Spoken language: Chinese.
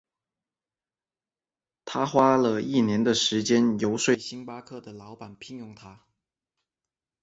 他花了一年的时间游说星巴克的老板聘用他。